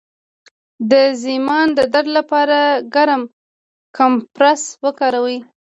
د زایمان د درد لپاره ګرم کمپرس وکاروئ